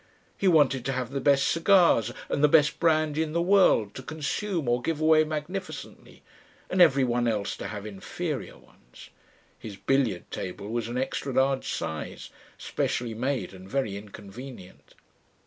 He wanted to have the best cigars and the best brandy in the world to consume or give away magnificently, and every one else to have inferior ones. (His billiard table was an extra large size, specially made and very inconvenient.)